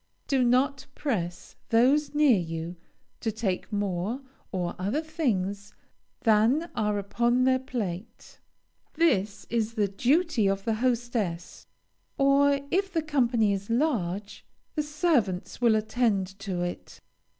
Do not press those near you to take more or other things than are upon their plate. This is the duty of the hostess, or, if the company is large, the servants will attend to it.